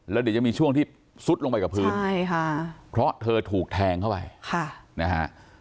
แล้วเดี๋ยวจะมีช่วงที่ซุดลงไปกับพื้นใช่ค่ะเพราะเธอถูกแทงเข้าไปค่ะนะฮะ